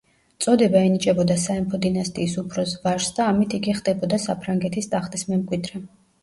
წოდება ენიჭებოდა სამეფო დინასტიის უფროს ვაჟს და ამით იგი ხდებოდა საფრანგეთის ტახტის მემკვიდრე.